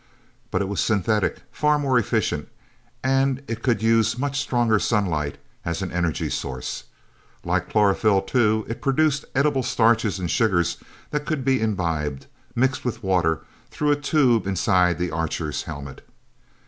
But it was synthetic, far more efficient, and it could use much stronger sunlight as an energy source. Like chlorophyl, too, it produced edible starches and sugars that could be imbibed, mixed with water, through a tube inside the Archer's helmet.